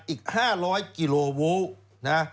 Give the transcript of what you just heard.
อีก๕๐๐กิโลวูล